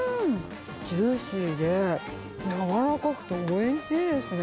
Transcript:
ジューシーで、柔らかくておいしいですね。